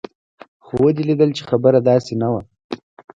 خو ودې ليدل چې خبره داسې نه وه.